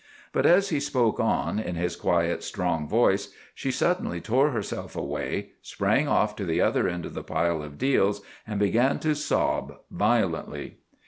But as he spoke on, in his quiet, strong voice, she suddenly tore herself away, sprang off to the other end of the pile of deals, and began to sob violently.